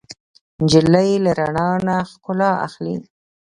نجلۍ له رڼا نه ښکلا اخلي.